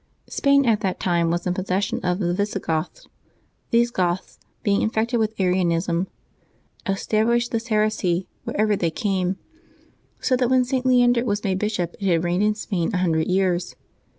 Spain at that time was in possession of the Visigoths. These Goths, being infected with Arianism, established this Februaby 28] LIVES OF THE SAINTS 89 heresy wherever they came; so that when St. Leander was made bishop it had reigned in Spain a hundred years.